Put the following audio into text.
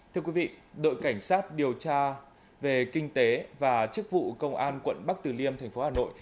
thưa quý vị đội cảnh sát điều tra về kinh tế và chức vụ công an quận bắc từ liêm thành phố hà nội